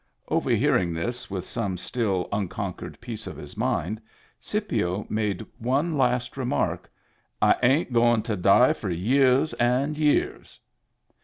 Overhearing this with some still unconquered piece of his mind, Scipio made one last remark :" I ain't going to die for years and years."